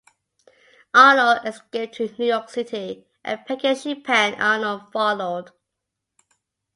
Arnold escaped to New York City, and Peggy Shippen Arnold followed.